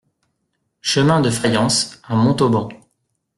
Chemin de Fayence à Montauban